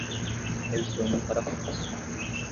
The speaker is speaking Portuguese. Eu estou indo para a França.